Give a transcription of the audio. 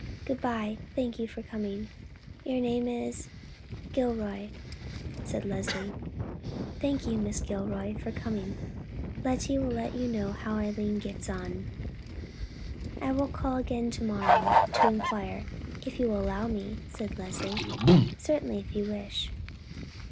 Good by; thank you for coming. Your name is——" "Gilroy," said Leslie. "Thank you, Miss Gilroy, for coming. Lettie will let you know how Eileen gets on." "I will call again to morrow morning to inquire, if you will allow me," said Leslie. "Certainly, if you wish."